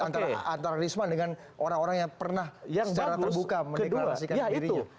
antara risma dengan orang orang yang pernah secara terbuka mendeklarasikan dirinya